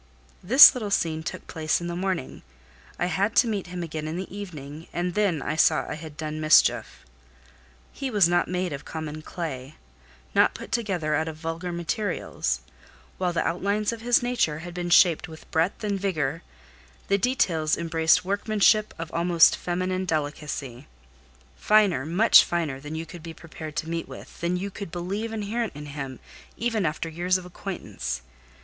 This little scene took place in the morning; I had to meet him again in the evening, and then I saw I had done mischief. He was not made of common clay, not put together out of vulgar materials; while the outlines of his nature had been shaped with breadth and vigour, the details embraced workmanship of almost feminine delicacy: finer, much finer, than you could be prepared to meet with; than you could believe inherent in him, even after years of acquaintance.